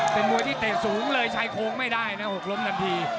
เป็นมวยที่เตะสูงเลยชายโครงไม่ได้นะหกล้มทันที